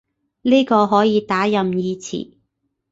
呢個可以打任意詞